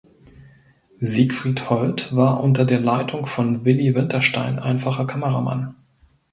Siegfried Hold war unter der Leitung von Willy Winterstein einfacher Kameramann.